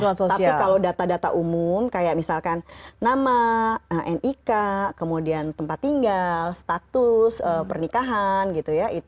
tapi kalau data data umum kayak misalkan nama nik kemudian tempat tinggal status pernikahan gitu ya